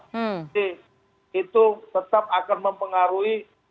jadi itu tetap akan mempengaruhi